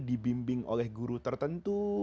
dibimbing oleh guru tertentu